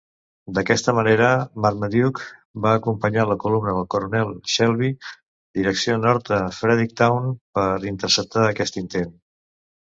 D'aquesta manera, Marmaduke va acompanyar la columna del Coronel Shelby direcció nord a Fredericktown per interceptar aquest intent.